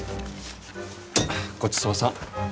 ごちそうさん。